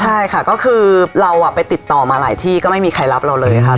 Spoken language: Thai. ใช่ค่ะก็คือเราไปติดต่อมาหลายที่ก็ไม่มีใครรับเราเลยค่ะ